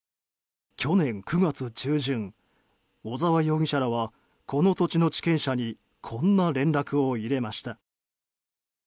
去年９月中旬、小沢容疑者らはこの土地の地権者にこんな連絡を入れました。